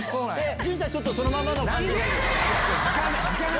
潤ちゃん、ちょっとそのままの感じで。